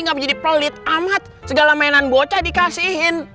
nggak jadi pelit amat segala mainan bocah dikasihin